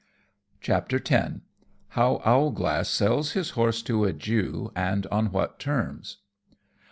X. _How Owlglass sells his Horse to a Jew, and on what Terms.